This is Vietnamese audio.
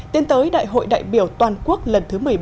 tiến tới đại hội đại biểu toàn quốc lần thứ một mươi bốn